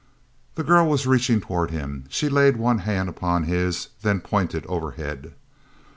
The girl was reaching toward him. She laid one hand upon his, then pointed overhead.